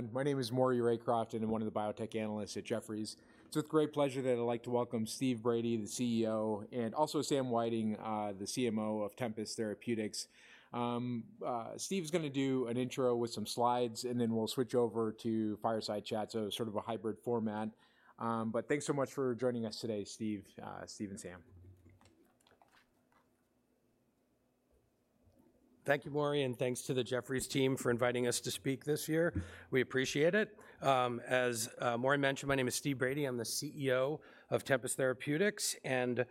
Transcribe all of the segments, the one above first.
Hi, everyone. My name is Maury Raycroft, and I'm one of the biotech analysts at Jefferies. It's with great pleasure that I'd like to welcome Steve Brady, the CEO, and also Sam Whiting, the CMO of Tempest Therapeutics. Steve's gonna do an intro with some slides, and then we'll switch over to fireside chat, so sort of a hybrid format. But thanks so much for joining us today, Steve, Steve and Sam. Thank you, Maury, and thanks to the Jefferies team for inviting us to speak this year. We appreciate it. As Maury mentioned, my name is Steve Brady. I'm the CEO of Tempest Therapeutics, and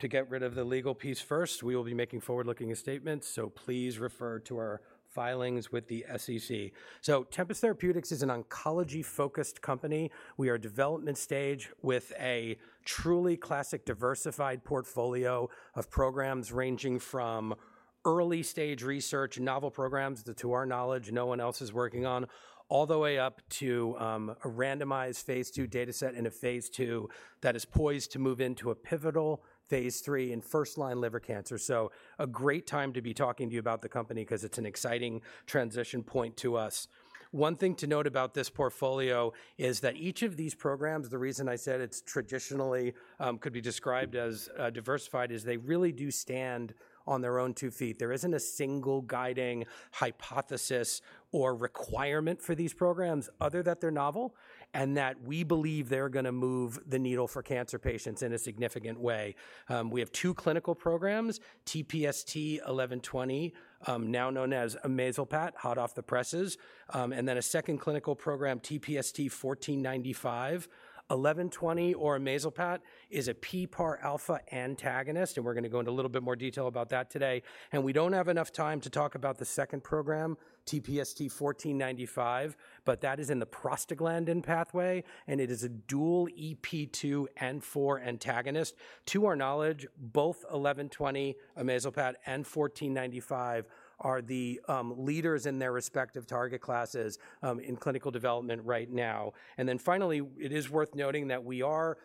to get rid of the legal piece first, we will be making forward-looking statements, so please refer to our filings with the SEC. So Tempest Therapeutics is an oncology-focused company. We are development stage with a truly classic diversified portfolio of programs ranging from early-stage research, novel programs that to our knowledge, no one else is working on, all the way up to, a randomized phase II data set and a phase II that is poised to move into a pivotal phase III in first-line liver cancer. So a great time to be talking to you about the company 'cause it's an exciting transition point to us. One thing to note about this portfolio is that each of these programs, the reason I said it's traditionally, could be described as, diversified, is they really do stand on their own two feet. There isn't a single guiding hypothesis or requirement for these programs other than that they're novel, and that we believe they're gonna move the needle for cancer patients in a significant way. We have two clinical programs, TPST-1120, now known as amezalpat, hot off the presses, and then a second clinical program, TPST-1495, TPST-1120 or amezalpat is a PPARα antagonist, and we're gonna go into a little bit more detail about that today, and we don't have enough time to talk about the second program, TPST-1495, but that is in the prostaglandin pathway, and it is a dual EP2 and EP4 antagonist. To our knowledge, both TPST-1120, amezalpat, and TPST-1495 are the leaders in their respective target classes in clinical development right now. And then finally, it is worth noting that we are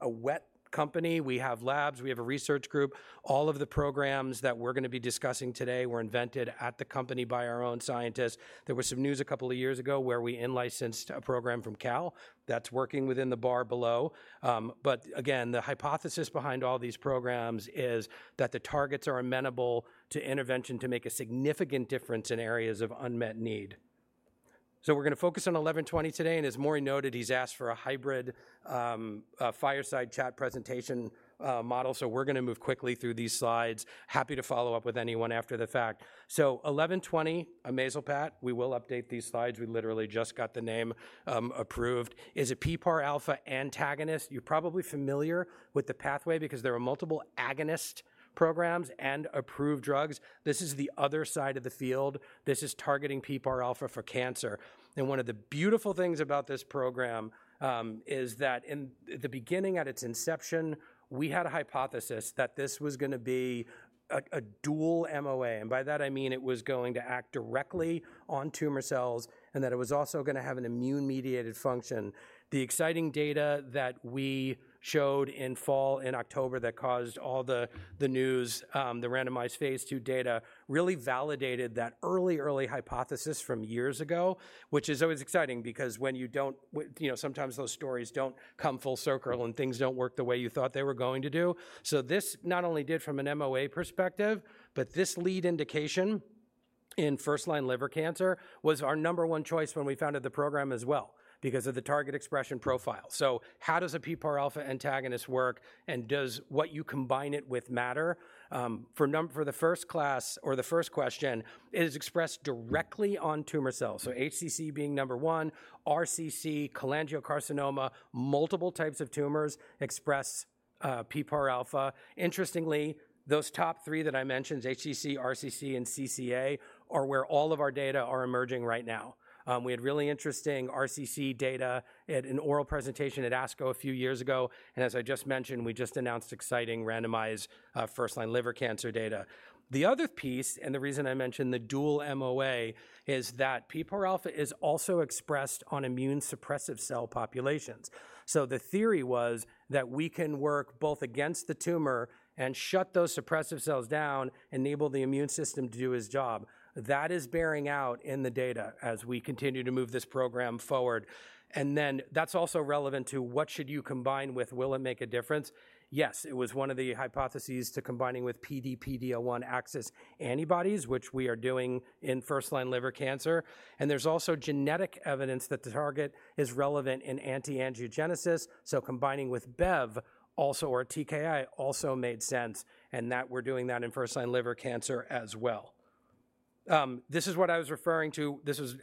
a wet company. We have labs. We have a research group. All of the programs that we're gonna be discussing today were invented at the company by our own scientists. There was some news a couple of years ago where we in-licensed a program from Cal that's working within the fibroblast. But again, the hypothesis behind all these programs is that the targets are amenable to intervention to make a significant difference in areas of unmet need. So we're gonna focus on TPST-1120 today, and as Maury noted, he's asked for a hybrid fireside chat presentation model, so we're gonna move quickly through these slides. Happy to follow up with anyone after the fact. So TPST-1120, amezalpat, we will update these slides. We literally just got the name approved. It is a PPARα antagonist. You're probably familiar with the pathway because there are multiple agonist programs and approved drugs. This is the other side of the field. This is targeting PPARα for cancer, and one of the beautiful things about this program is that in the beginning, at its inception, we had a hypothesis that this was gonna be a dual MOA, and by that I mean it was going to act directly on tumor cells, and that it was also gonna have an immune-mediated function. The exciting data that we showed in fall, in October, that caused all the news, the randomized phase II data, really validated that early, early hypothesis from years ago, which is always exciting because when you don't, you know, sometimes those stories don't come full circle, and things don't work the way you thought they were going to do. So this not only did from an MOA perspective, but this lead indication in first-line liver cancer was our number one choice when we founded the program as well because of the target expression profile. So how does a PPARα antagonist work, and does what you combine it with matter? For the first question, it is expressed directly on tumor cells. So HCC being number one, RCC, cholangiocarcinoma, multiple types of tumors express PPARα. Interestingly, those top three that I mentioned, HCC, RCC, and CCA, are where all of our data are emerging right now. We had really interesting RCC data at an oral presentation at ASCO a few years ago, and as I just mentioned, we just announced exciting randomized first-line liver cancer data. The other piece, and the reason I mentioned the dual MOA, is that PPARα is also expressed on immune suppressive cell populations. So the theory was that we can work both against the tumor and shut those suppressive cells down, enable the immune system to do its job. That is bearing out in the data as we continue to move this program forward. And then that's also relevant to what should you combine with? Will it make a difference? Yes, it was one of the hypotheses to combining with PD/PD-L1 axis antibodies, which we are doing in first-line liver cancer, and there's also genetic evidence that the target is relevant in anti-angiogenesis, so combining with bev also, or TKI, also made sense, and that we're doing that in first-line liver cancer as well. This is what I was referring to. This was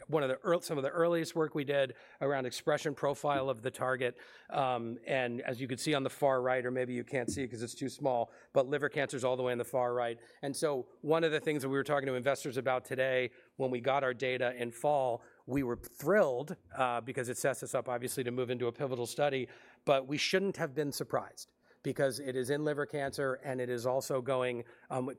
some of the earliest work we did around expression profile of the target, and as you can see on the far right, or maybe you can't see it because it's too small, but liver cancer is all the way on the far right. And so one of the things that we were talking to investors about today when we got our data in fall, we were thrilled, because it sets us up, obviously, to move into a pivotal study, but we shouldn't have been surprised because it is in liver cancer, and it is also going,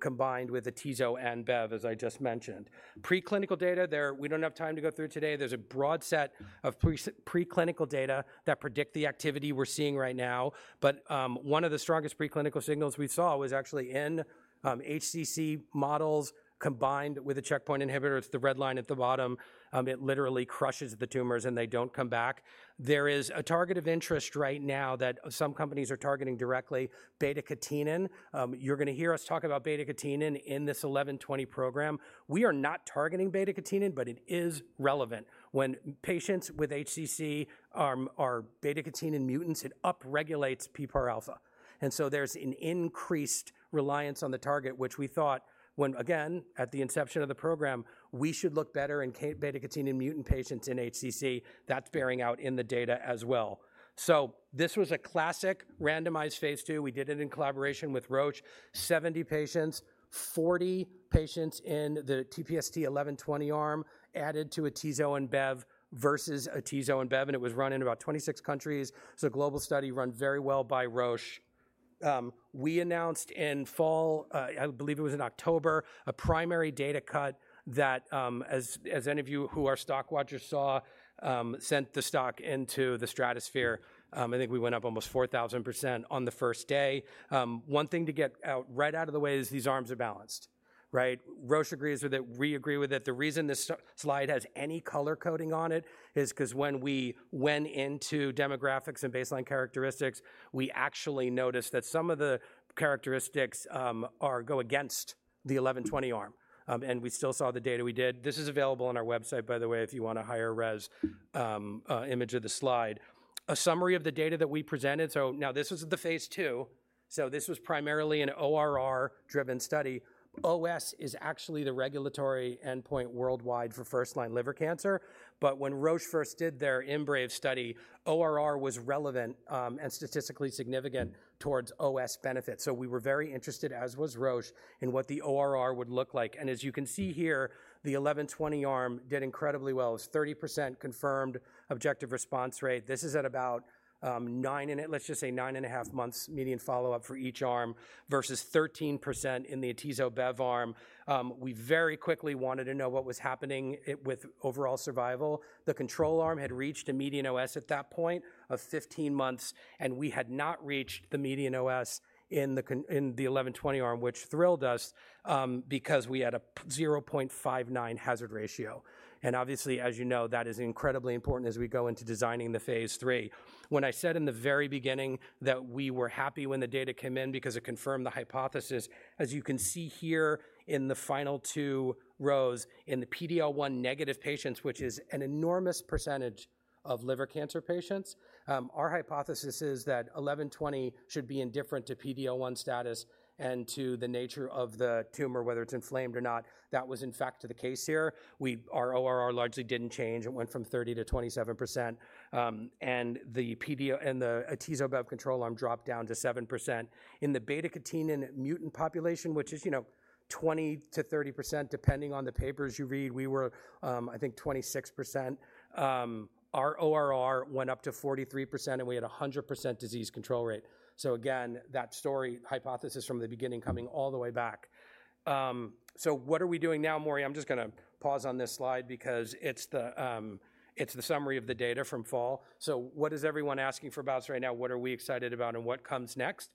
combined with atezo and bev, as I just mentioned. Preclinical data there, we don't have time to go through today. There's a broad set of preclinical data that predict the activity we're seeing right now. But, one of the strongest preclinical signals we saw was actually in, HCC models combined with a checkpoint inhibitor. It's the red line at the bottom. It literally crushes the tumors, and they don't come back. There is a target of interest right now that some companies are targeting directly, beta-catenin. You're gonna hear us talk about beta-catenin in this 1120 program. We are not targeting beta-catenin, but it is relevant. When patients with HCC are beta-catenin mutants, it up regulates PPARα, and so there's an increased reliance on the target, which we thought when, again, at the inception of the program, we should look better in beta-catenin mutant patients in HCC. That's bearing out in the data as well. So this was a classic randomized phase II. We did it in collaboration with Roche. 70 patients, 40 patients in the TPST-1120 arm added to atezo and bev versus atezo and bev, and it was run in about 26 countries. It's a global study run very well by Roche. We announced in fall, I believe it was in October, a primary data cut that, as any of you who are stock watchers saw, sent the stock into the stratosphere. I think we went up almost 4,000% on the first day. One thing to get out right out of the way is these arms are balanced, right? Roche agrees with it, we agree with it. The reason this slide has any color coding on it is 'cause when we went into demographics and baseline characteristics, we actually noticed that some of the characteristics go against the TPST-1120 arm, and we still saw the data we did. This is available on our website, by the way, if you want a higher res image of the slide. A summary of the data that we presented. So now this was the phase II, so this was primarily an ORR-driven study. OS is actually the regulatory endpoint worldwide for first-line liver cancer, but when Roche first did their IMbrave study, ORR was relevant, and statistically significant towards OS benefit. So we were very interested, as was Roche, in what the ORR would look like. And as you can see here, the TPST-1120 arm did incredibly well. It was 30% confirmed objective response rate. This is at about, let's just say 9.5 months median follow-up for each arm, versus 13% in the atezo-bev arm. We very quickly wanted to know what was happening with overall survival. The control arm had reached a median OS at that point of 15 months, and we had not reached the median OS in the TPST-1120 arm, which thrilled us, because we had a 0.59 hazard ratio. Obviously, as you know, that is incredibly important as we go into designing the phase III. When I said in the very beginning that we were happy when the data came in because it confirmed the hypothesis, as you can see here in the final two rows, in the PD-L1-negative patients, which is an enormous percentage of liver cancer patients, our hypothesis is that TPST-1120 should be indifferent to PD-L1 status and to the nature of the tumor, whether it's inflamed or not. That was, in fact, the case here. Our ORR largely didn't change. It went from 30%-27%, and the PD-L1 and the atezo-bev control arm dropped down to 7%. In the beta-catenin mutant population, which is, you know, 20%-30%, depending on the papers you read, we were, I think 26%. Our ORR went up to 43%, and we had a 100% disease control rate. So again, that story hypothesis from the beginning coming all the way back. So what are we doing now, Maury? I'm just gonna pause on this slide because it's the, it's the summary of the data from fall. So what is everyone asking for bios right now? What are we excited about and what comes next?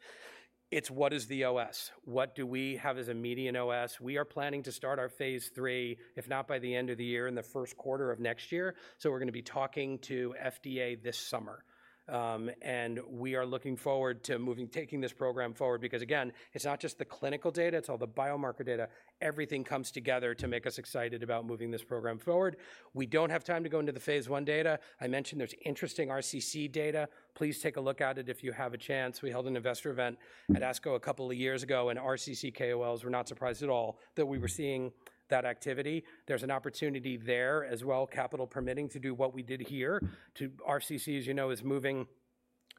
It's what is the OS? What do we have as a median OS? We are planning to start our phase III, if not by the end of the year, in the first quarter of next year, so we're gonna be talking to FDA this summer. And we are looking forward to taking this program forward because, again, it's not just the clinical data, it's all the biomarker data. Everything comes together to make us excited about moving this program forward. We don't have time to go into the phase 1 data. I mentioned there's interesting RCC data. Please take a look at it if you have a chance. We held an investor event at ASCO a couple of years ago, and RCC KOLs were not surprised at all that we were seeing that activity. There's an opportunity there as well, capital permitting, to do what we did here. RCC, as you know, is moving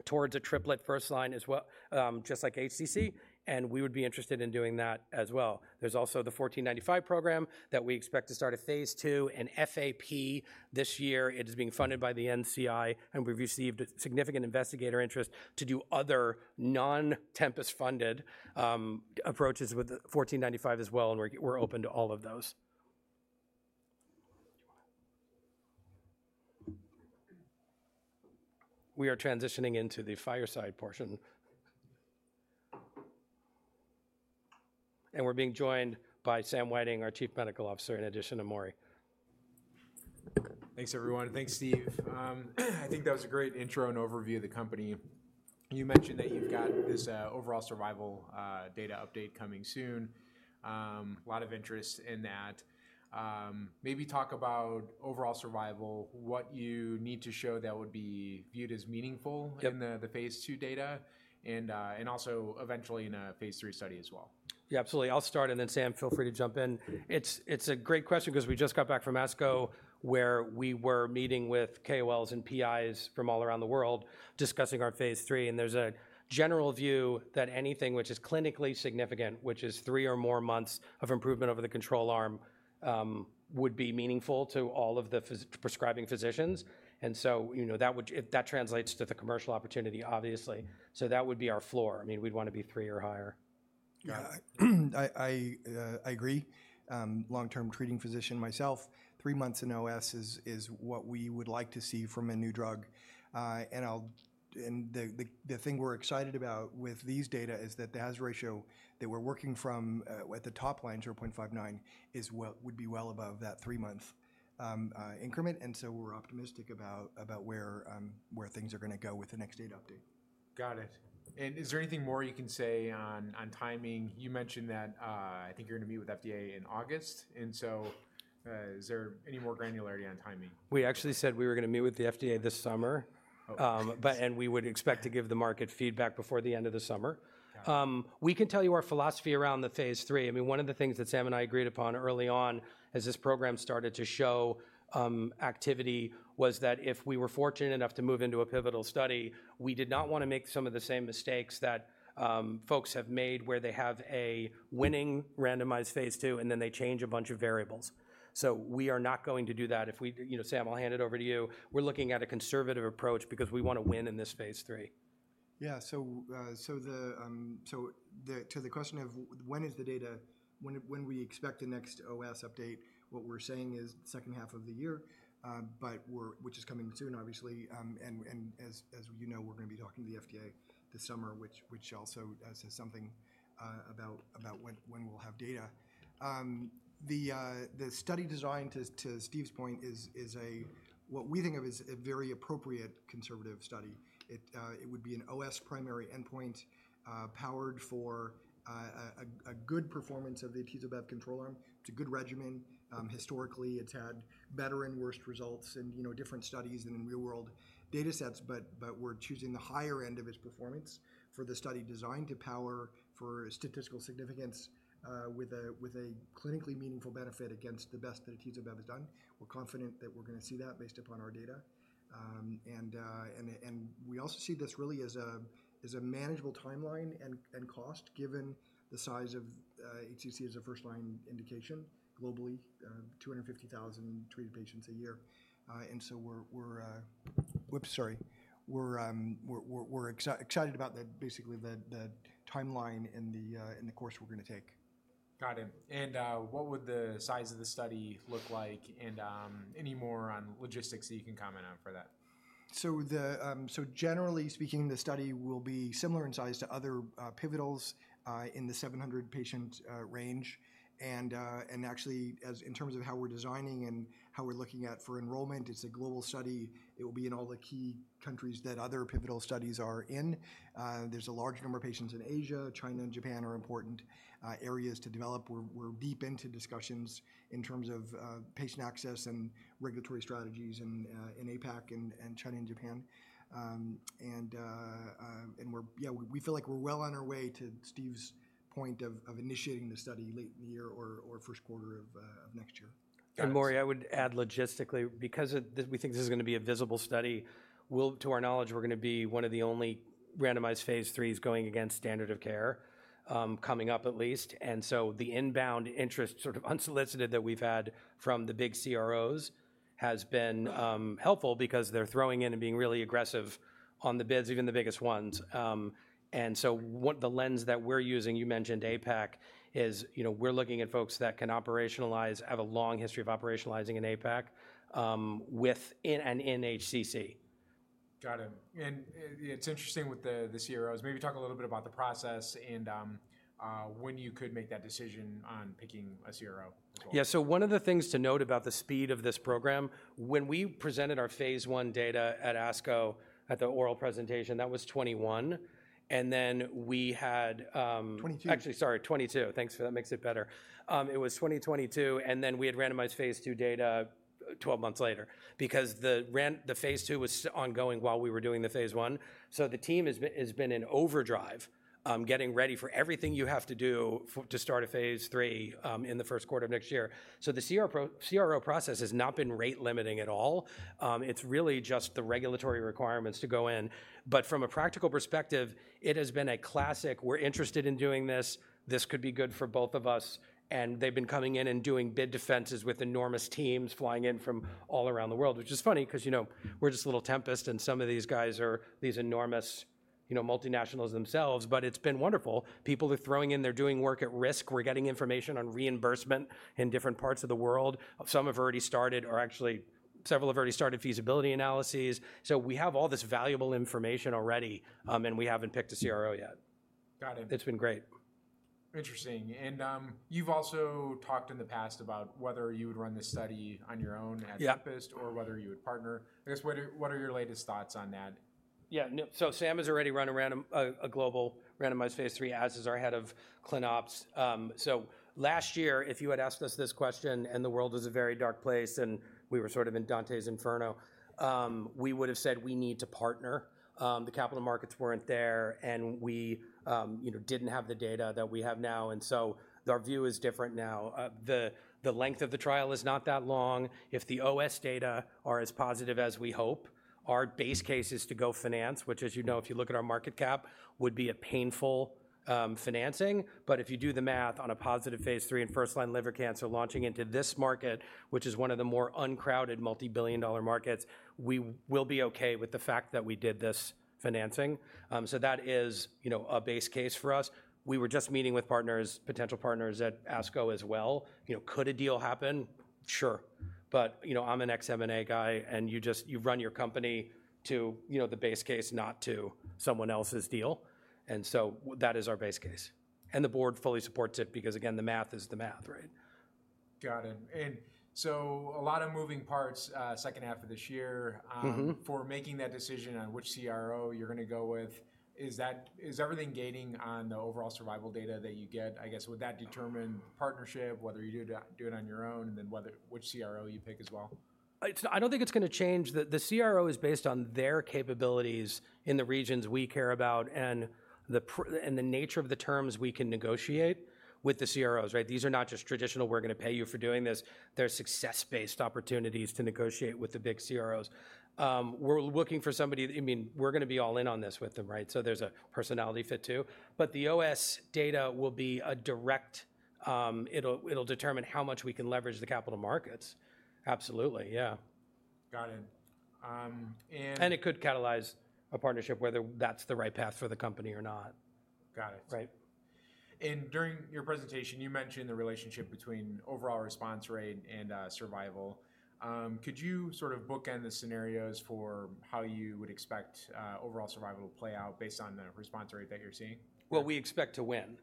towards a triplet first line as well, just like HCC, and we would be interested in doing that as well. There's also the TPST-1495 program that we expect to start a phase II, in FAP, this year. It is being funded by the NCI, and we've received significant investigator interest to do other non-Tempest funded approaches with the TPST-1495 as well, and we're open to all of those. We are transitioning into the fireside portion. We're being joined by Sam Whiting, our Chief Medical Officer, in addition to Maury. Thanks, everyone, and thanks, Steve. I think that was a great intro and overview of the company. You mentioned that you've got this, overall survival, data update coming soon. A lot of interest in that. Maybe talk about overall survival, what you need to show that would be viewed as meaningful. Yep. In the phase II data, and also eventually in a phase III study as well. Yeah, absolutely. I'll start, and then, Sam, feel free to jump in. It's a great question 'cause we just got back from ASCO, where we were meeting with KOLs and PIs from all around the world, discussing our phase III, and there's a general view that anything which is clinically significant, which is three or more months of improvement over the control arm, would be meaningful to all of the prescribing physicians. And so, you know, that would, if that translates to the commercial opportunity, obviously. So that would be our floor. I mean, we'd want to be three or higher. Yeah, I agree. Long-term treating physician myself, three months in OS is what we would like to see from a new drug. And the thing we're excited about with these data is that the hazard ratio that we're working from at the top line, 0.59, would be well above that three-month increment, and so we're optimistic about where things are gonna go with the next data update. Got it. And is there anything more you can say on timing? You mentioned that, I think you're going to meet with FDA in August, and so, is there any more granularity on timing? We actually said we were gonna meet with the FDA this summer. Oh. But we would expect to give the market feedback before the end of the summer. Got it. We can tell you our philosophy around the phase III. I mean, one of the things that Sam and I agreed upon early on as this program started to show activity, was that if we were fortunate enough to move into a pivotal study, we did not want to make some of the same mistakes that folks have made, where they have a winning randomized phase II, and then they change a bunch of variables. So we are not going to do that. If we—you know, Sam, I'll hand it over to you. We're looking at a conservative approach because we want to win in this phase III. Yeah. So, to the question of when is the data, when we expect the next OS update, what we're saying is second half of the year, but which is coming soon, obviously. And as you know, we're going to be talking to the FDA this summer, which also says something about when we'll have data. The study design, to Steve's point, is what we think of as a very appropriate conservative study. It would be an OS primary endpoint, powered for a good performance of the atezo-bev control arm. It's a good regimen. Historically, it's had better and worse results in, you know, different studies and in real world data sets, but we're choosing the higher end of its performance for the study design to power for statistical significance, with a clinically meaningful benefit against the best that atezo-bev has done. We're confident that we're going to see that based upon our data. And we also see this really as a manageable timeline and cost, given the size of HCC as a first-line indication. Globally, 250,000 treated patients a year. And so we're excited about basically the timeline and the course we're going to take. Got it. And, what would the size of the study look like, and any more on logistics that you can comment on for that? Generally speaking, the study will be similar in size to other pivotal studies in the 700-patient range. Actually, in terms of how we're designing and how we're looking at for enrollment, it's a global study. It will be in all the key countries that other pivotal studies are in. There's a large number of patients in Asia. China and Japan are important areas to develop. We're deep into discussions in terms of patient access and regulatory strategies in APAC and China and Japan. And we're, yeah, we feel like we're well on our way to Steve's point of initiating the study late in the year or first quarter of next year. And Maury, I would add logistically, because of this, we think this is going to be a visible study, to our knowledge, we're going to be one of the only randomized phase IIIs going against standard of care, coming up at least. So the inbound interest, sort of unsolicited, that we've had from the big CROs has been helpful because they're throwing in and being really aggressive on the bids, even the biggest ones. And so what the lens that we're using, you mentioned APAC, is, you know, we're looking at folks that can operationalize, have a long history of operationalizing in APAC, with and in HCC. Got it. And it's interesting with the CROs. Maybe talk a little bit about the process and when you could make that decision on picking a CRO. Yeah. So one of the things to note about the speed of this program, when we presented our phase I data at ASCO, at the oral presentation, that was2021, and then we had, 2022. Actually, sorry, 2022. Thanks for that, makes it better. It was 2022, and then we had randomized phase II data 12 months later because the phase II was ongoing while we were doing the phase I. So the team has been in overdrive, getting ready for everything you have to do to start a phase III in the first quarter of next year. So the CRO process has not been rate limiting at all. It's really just the regulatory requirements to go in. But from a practical perspective, it has been a classic, "We're interested in doing this. This could be good for both of us." And they've been coming in and doing bid defenses with enormous teams flying in from all around the world, which is funny because, you know, we're just a little Tempest, and some of these guys are these enormous, you know, multinationals themselves. But it's been wonderful. People are throwing in, they're doing work at risk. We're getting information on reimbursement in different parts of the world. Some have already started, or actually, several have already started feasibility analyses. So we have all this valuable information already, and we haven't picked a CRO yet. Got it. It's been great. Interesting. You've also talked in the past about whether you would run this study on your own./ Yeah. At Tempest or whether you would partner? I guess, what are, what are your latest thoughts on that? Yeah, no. So Sam has already run a randomized, a global randomized phase III as is our head of ClinOps. So last year, if you had asked us this question, and the world was a very dark place, and we were sort of in Dante's Inferno, we would have said we need to partner. The capital markets weren't there, and we, you know, didn't have the data that we have now, and so our view is different now. The length of the trial is not that long. If the OS data are as positive as we hope, our base case is to go finance, which, as you know, if you look at our market cap, would be a painful financing. But if you do the math on a positive phase III and first-line liver cancer launching into this market, which is one of the more uncrowded multibillion-dollar markets, we will be okay with the fact that we did this financing. So that is, you know, a base case for us. We were just meeting with partners, potential partners at ASCO as well. You know, could a deal happen? Sure. But, you know, I'm an ex-M&A guy, and you just- you run your company to, you know, the base case, not to someone else's deal, and so that is our base case. And the board fully supports it, because again, the math is the math, right? Got it. And so a lot of moving parts, second half of this year. Mm-hmm. For making that decision on which CRO you're gonna go with. Is that everything hanging on the overall survival data that you get? I guess, would that determine partnership, whether you do it on your own, and then whether which CRO you pick as well? I don't think it's gonna change. The CRO is based on their capabilities in the regions we care about and the nature of the terms we can negotiate with the CROs, right? These are not just traditional, "We're gonna pay you for doing this," they're success-based opportunities to negotiate with the big CROs. We're looking for somebody. I mean, we're gonna be all in on this with them, right? So there's a personality fit, too. But the OS data will be a direct, it'll determine how much we can leverage the capital markets. Absolutely. Yeah. Got it. It could catalyze a partnership, whether that's the right path for the company or not. Got it. Right. During your presentation, you mentioned the relationship between overall response rate and survival. Could you sort of bookend the scenarios for how you would expect overall survival to play out based on the response rate that you're seeing? Well, we expect to win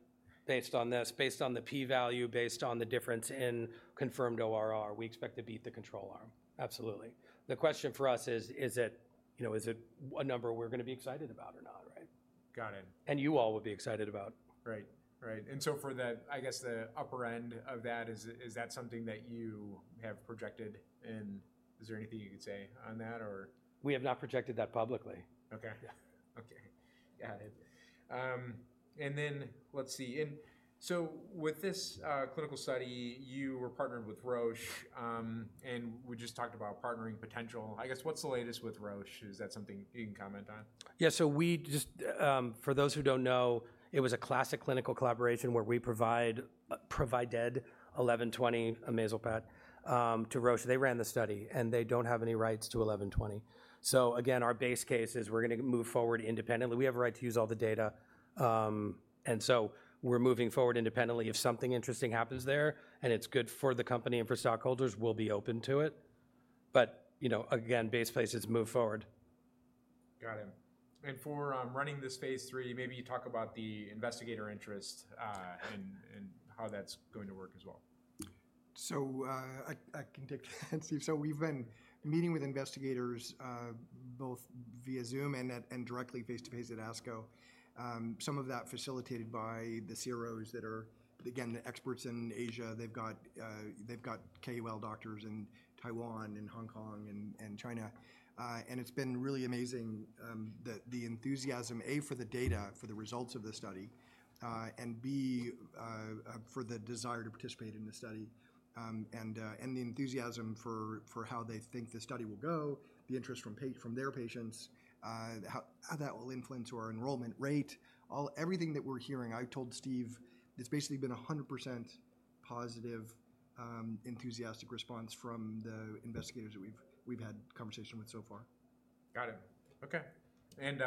based on this, based on the p-value, based on the difference in confirmed ORR. We expect to beat the control arm, absolutely. The question for us is, is it, you know, is it a number we're gonna be excited about or not, right? Got it. You all will be excited about. Right. Right, and so for that, I guess the upper end of that is something that you have projected, and is there anything you could say on that or? We have not projected that publicly. Okay. Yeah. Okay. Got it. And then let's see. And so with this clinical study, you were partnered with Roche, and we just talked about partnering potential. I guess, what's the latest with Roche? Is that something you can comment on? Yeah, so we just, for those who don't know, it was a classic clinical collaboration where we provided TPST-1120 amezalpat to Roche. They ran the study, and they don't have any rights to TPST-1120. So again, our base case is we're gonna move forward independently. We have a right to use all the data, and so we're moving forward independently. If something interesting happens there, and it's good for the company and for stockholders, we'll be open to it. But, you know, again, base case is move forward. Got it. And for running this phase III, maybe you talk about the investigator interest, and how that's going to work as well. So, I can take that, Steve. So we've been meeting with investigators, both via Zoom and directly face-to-face at ASCO. Some of that facilitated by the CROs that are, again, the experts in Asia. They've got KOL doctors in Taiwan and Hong Kong and China. And it's been really amazing, the enthusiasm, A, for the data, for the results of the study, and B, for the desire to participate in the study, and the enthusiasm for how they think the study will go, the interest from their patients, how that will influence our enrollment rate. Everything that we're hearing, I've told Steve, it's basically been 100% positive, enthusiastic response from the investigators that we've had conversation with so far. Got it. Okay. And,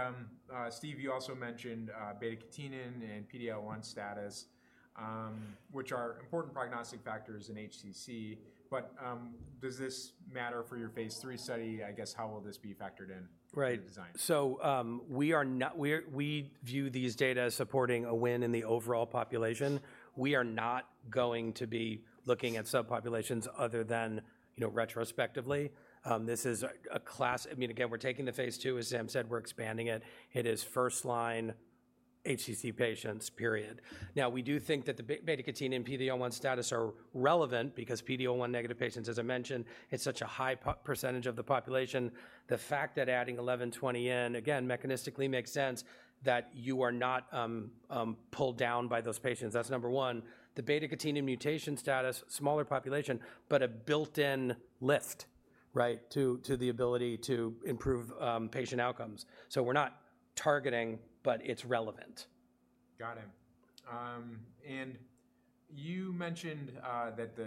Steve, you also mentioned beta-catenin and PD-L1 status, which are important prognostic factors in HCC, but does this matter for your phase III study? I guess, how will this be factored in. Right. To the design? So, we are not. We view these data as supporting a win in the overall population. We are not going to be looking at subpopulations other than, you know, retrospectively. This is. I mean, again, we're taking the phase II. As Sam said, we're expanding it. It is first-line HCC patients, period. Now, we do think that the beta-catenin and PD-L1 status are relevant because PD-L1 negative patients, as I mentioned, it's such a high percentage of the population. The fact that adding TPST-1120 in, again, mechanistically makes sense that you are not pulled down by those patients, that's number one. The beta-catenin mutation status, smaller population, but a built-in lift, right, to the ability to improve patient outcomes. So we're not targeting, but it's relevant. Got it. And you mentioned that the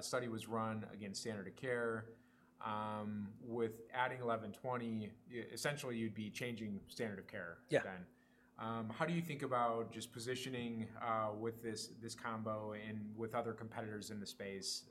study was run against standard of care. With adding TPST-1120, essentially, you'd be changing standard of care. Yeah. Then. How do you think about just positioning with this, this combo and with other competitors in the space?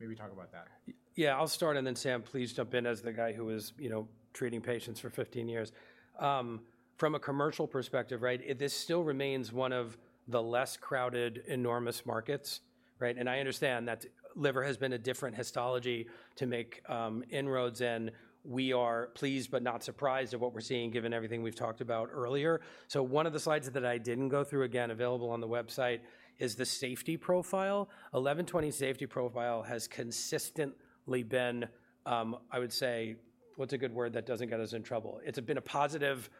Maybe talk about that. Yeah, I'll start, and then Sam, please jump in as the guy who was, you know, treating patients for 15 years. From a commercial perspective, right, this still remains one of the less crowded, enormous markets, right? And I understand that liver has been a different histology to make inroads, and we are pleased but not surprised at what we're seeing, given everything we've talked about earlier. So one of the slides that I didn't go through, again, available on the website, is the safety profile. TPST-1120 safety profile has consistently been, I would say, what's a good word that doesn't get us in trouble? It's been a positive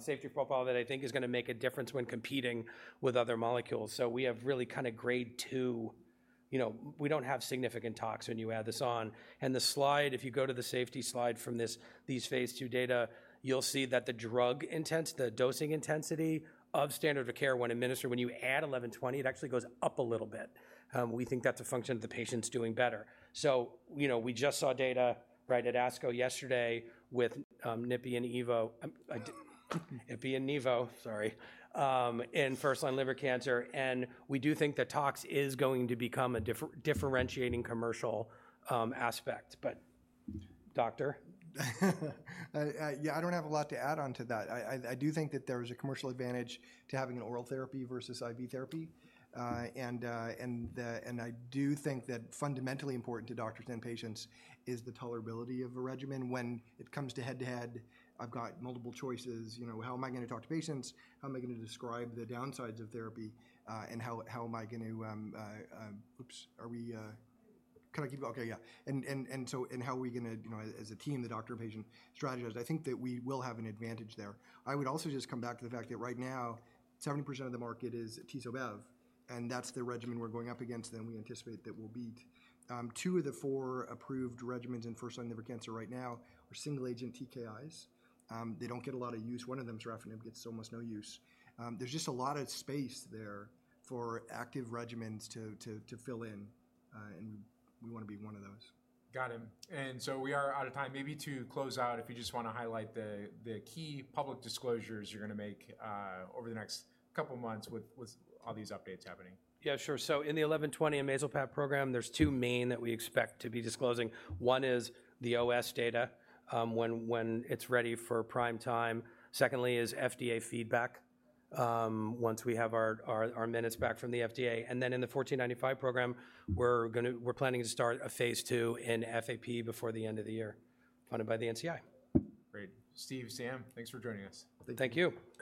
safety profile that I think is gonna make a difference when competing with other molecules. So we have really kind of Grade 2, you know, we don't have significant toxin when you add this on. The slide, if you go to the safety slide from this, these phase 2 data, you'll see that the drug intensity, the dosing intensity of standard of care when administered when you add 1120, it actually goes up a little bit. We think that's a function of the patients doing better. So, you know, we just saw data right at ASCO yesterday with ipi and nivo, sorry, in first-line liver cancer, and we do think that tox is going to become a differentiating commercial aspect. But, doctor? Yeah, I don't have a lot to add on to that. I do think that there is a commercial advantage to having an oral therapy versus IV therapy. And I do think that fundamentally important to doctors and patients is the tolerability of a regimen. When it comes to head-to-head, I've got multiple choices, you know, how am I gonna talk to patients? How am I gonna describe the downsides of therapy? And how am I gonna. And so, how are we gonna, you know, as a team, the doctor and patient strategize? I think that we will have an advantage there. I would also just come back to the fact that right now, 70% of the market is atezo-bev, and that's the regimen we're going up against, and we anticipate that we'll beat. Two of the four approved regimens in first-line liver cancer right now are single-agent TKIs. They don't get a lot of use. One of them, sorafenib, gets almost no use. There's just a lot of space there for active regimens to fill in, and we wanna be one of those. Got it. And so we are out of time. Maybe to close out, if you just wanna highlight the key public disclosures you're gonna make over the next couple of months with all these updates happening. Yeah, sure. So in the TPST-1120 amezalpat program, there's two main that we expect to be disclosing. One is the OS data, when it's ready for prime time. Secondly is FDA feedback, once we have our minutes back from the FDA. And then in the 1495 program, we're gonna—we're planning to start a phase II in FAP before the end of the year, funded by the NCI. Great. Steve, Sam, thanks for joining us. Thank you.